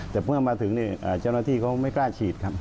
แต่เมื่อมาถึงเจ้าหน้าที่เขาไม่กล้าฉีดครับ